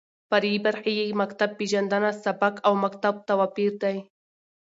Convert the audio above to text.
فرعي برخې يې مکتب پېژنده، سبک او مکتب تواپېر دى.